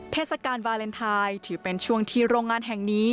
เทศกาลวาเลนไทยถือเป็นช่วงที่โรงงานแห่งนี้